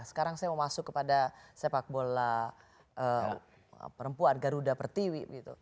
sekarang saya mau masuk kepada sepak bola perempuan garuda pertiwi